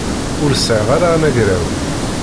Ur sɛiɣ ara anagraw.